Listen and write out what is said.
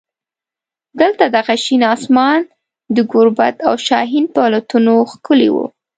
دلته دغه شین اسمان د ګوربت او شاهین په الوتنو ښکلی و.